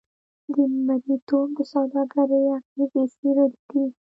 د مریتوب د سوداګرۍ اغېزې څېړلې دي.